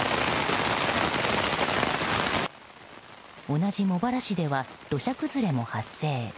同じ茂原市では土砂災害も発生。